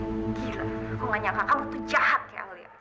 gila gue gak nyangka kamu tuh jahat ya alia